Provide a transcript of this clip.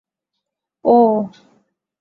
অ-